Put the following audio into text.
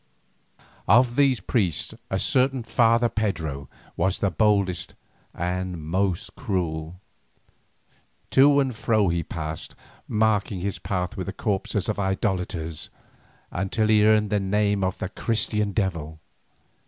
Of these priests a certain Father Pedro was the boldest and the most cruel. To and fro he passed, marking his path with the corpses of idolaters, until he earned the name of the "Christian Devil."